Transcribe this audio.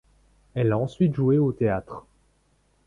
Elle a ensuite joué au théâtre.